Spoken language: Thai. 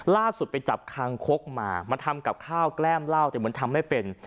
ล่าสุดไปจับคางคกมามาทำกับข้าวแกล้มเหล้าแต่เหมือนทำไม่เป็น